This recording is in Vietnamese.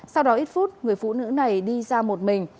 sau đó ít phút người phụ nữ này đi ra một mình